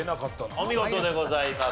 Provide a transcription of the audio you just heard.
お見事でございます。